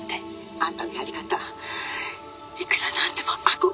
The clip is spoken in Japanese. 「あんたのやり方いくらなんでも阿漕よ」